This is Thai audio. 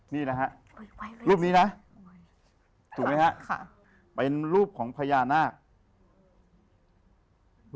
นี่นะฮะรูปนี้นะถูกไหมฮะค่ะเป็นรูปของพญานาค